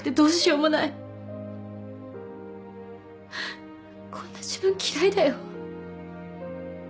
ううっこんな自分嫌いだよ。